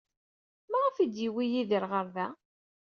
Maɣef ay d-yewwi Yidir ɣer da?